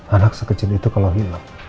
anak sekecil itu kalau hilang